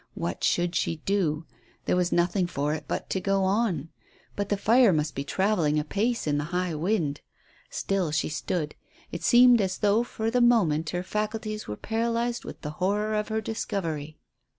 What should she do? There was nothing for it but to go on. But the fire must be travelling apace in the high wind. Still she stood. It seemed as though for the moment her faculties were paralyzed with the horror of her discovery.